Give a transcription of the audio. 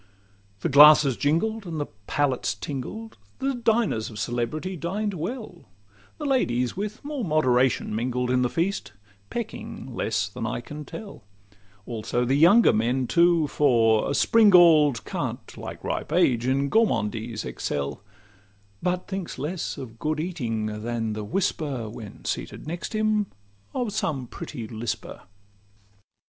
The glasses jingled, and the palates tingled; The diners of celebrity dined well; The ladies with more moderation mingled In the feast, pecking less than I can tell; Also the younger men too: for a springald Can't, like ripe age, in gormandize excel, But thinks less of good eating than the whisper (When seated next him) of some pretty lisper.